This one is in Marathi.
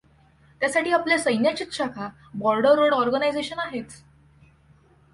त्यासाठी आपल्या सैन्याचीच शाखा, बॉर्डर रोड ऑर्गनायझेशन आहेच.